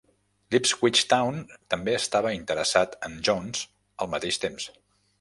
L'Ipswich Town també estava interessat en Jones al mateix temps.